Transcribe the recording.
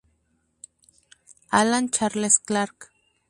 Alan Charles Clark.